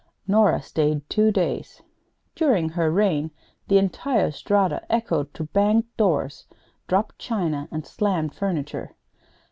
Nora stayed two days. During her reign the entire Strata echoed to banged doors, dropped china, and slammed furniture.